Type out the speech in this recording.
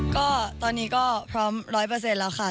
ก็ตอนนี้ก็พร้อมร้อยเปอร์เซ็นต์แล้วค่ะ